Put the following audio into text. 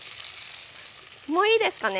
もういいですかね？